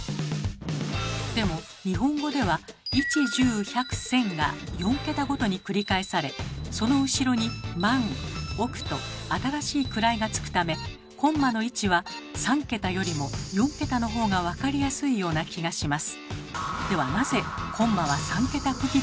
でも日本語では「一十百千」が４桁ごとに繰り返されその後ろに「万」「億」と新しい位がつくためコンマの位置は３桁よりも４桁のほうが分かりやすいような気がします。